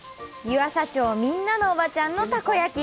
湯浅町みんなのおばちゃんのたこ焼き。